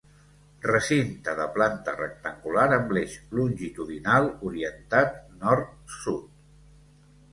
Recinte de planta rectangular amb l'eix longitudinal orientat nord-sud.